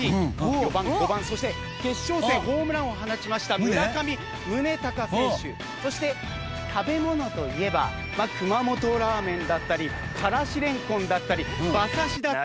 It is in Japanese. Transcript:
４番５番そして決勝戦ホームランを放ちましたそして食べ物といえば熊本ラーメンだったり辛子蓮根だったり馬刺しだったり。